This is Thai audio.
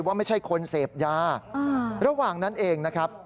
ว่าไม่ใช่คนเสพยาระหว่างนั้นเองนะครับ